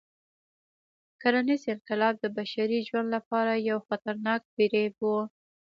کرنيز انقلاب د بشري ژوند لپاره یو خطرناک فریب و.